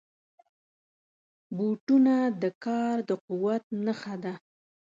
بوټونه د کار د قوت نښه ده.